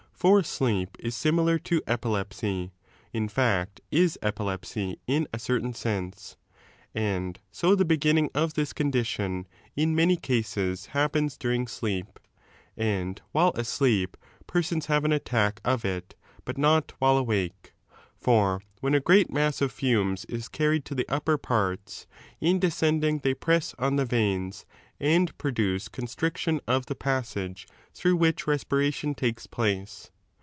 For sleep is similar to epilepsy, in fact is epilepsy in a certain sense. And 13 so the heginning of this condition in many cases happens during sleep, and while asleep persona have an attack of it, but not while awake. For when a great mass of fumes is carried to the upper parts, in descending they press on the veins and produce constriction of the passage 14 through which respiration lakes place.